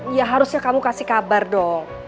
ya harusnya kamu kasih kabar dong